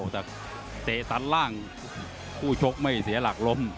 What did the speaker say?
แต่เตะตัดล่างคู่ชกไม่เสียหลักล้ม